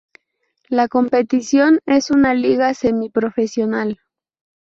La competición es una liga semiprofesional.